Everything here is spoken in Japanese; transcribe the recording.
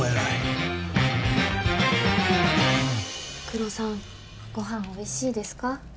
クロさんご飯おいしいですか？